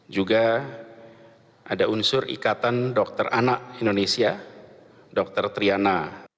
juga ada unsur ikatan dokter anak indonesia dr triana